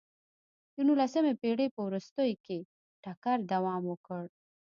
د نولسمې پېړۍ په وروستیو کې ټکر دوام وکړ.